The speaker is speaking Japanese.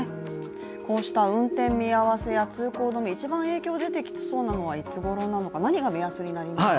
こうした運転見合わせや通行の便、一番影響が出そうなのはいつごろなのか、何が目安になりますか？